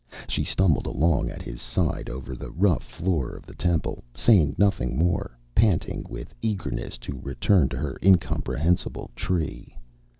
She stumbled along at his side over the rough floor of the temple, saying nothing more, panting with eagerness to return to her incomprehensible "tree."